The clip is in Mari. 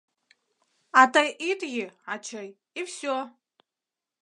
А тый ит йӱ, ачый, и всё!